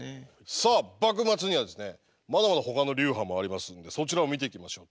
さあ幕末にはですねまだまだほかの流派もありますんでそちらを見ていきましょう。